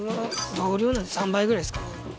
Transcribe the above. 同量なんで３杯ぐらいですかね。